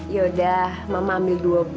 yaudah mama ambil rp dua puluh